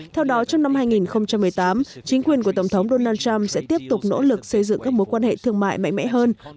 theo đó trong năm hai nghìn một mươi tám chính quyền của tổng thống donald trump sẽ tiếp tục nỗ lực xây dựng các mối quan hệ thương mại mạnh mẽ hơn